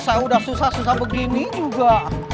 saya sudah susah susah begini juga